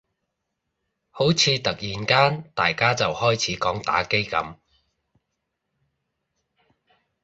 好似突然間大家就開始講打機噉